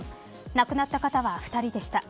亡くなった方は２人でした。